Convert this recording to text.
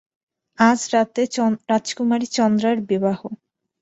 আজ রাত্রে রাজকুমারী চন্দ্রার বিবাহ।